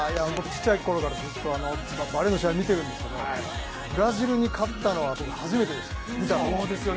小さい頃からずっとバレーの試合は見てるんですけどブラジルに勝ったを見たのは僕、初めてですよ。